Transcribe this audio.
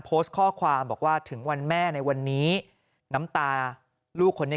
โพสต์ข้อความบอกว่าถึงวันแม่ในวันนี้น้ำตาลูกคนนี้